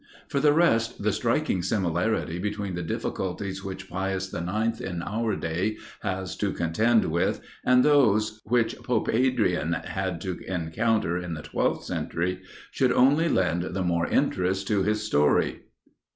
For the rest, the striking similarity between the difficulties which Pius IX. in our day has to contend with, and those which Pope Adrian had to encounter in the twelfth century, should only lend the more interest to his story.